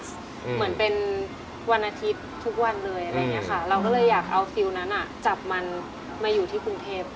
เหมือนเป็นวันอาทิตย์ทุกวันเลยอะไรอย่างนี้ค่ะเราก็เลยอยากเอาฟิลนั้นอ่ะจับมันมาอยู่ที่กรุงเทพ